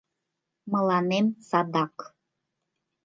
— Мыланем садак.